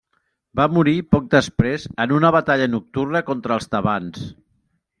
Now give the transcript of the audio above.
Va morir poc després en una batalla nocturna contra els tebans.